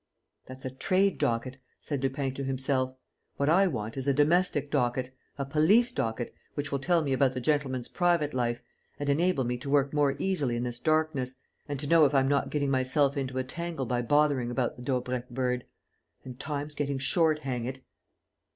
"That's a trade docket," said Lupin to himself. "What I want is a domestic docket, a police docket, which will tell me about the gentleman's private life and enable me to work more easily in this darkness and to know if I'm not getting myself into a tangle by bothering about the Daubrecq bird. And time's getting short, hang it!"